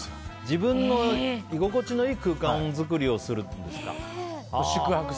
自分の居心地のいい空間作りをするんですか。